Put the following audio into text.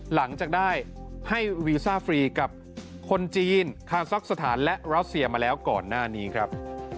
หลังจากได้ให้วีซ่าฟรีกับคนจีนคาซักสถานและรัสเซียมาแล้วก่อนหน้านี้ครับ